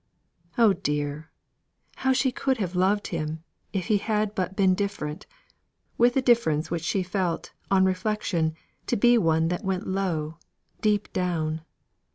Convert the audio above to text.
Oh dear! how she could have loved him if he had but been different, with a difference which she felt, on reflection, to be one that went low deep down.